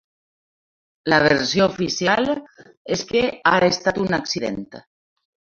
La versió oficial és que ha estat un accident.